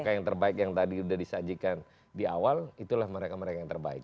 apakah yang terbaik yang tadi sudah disajikan di awal itulah mereka mereka yang terbaik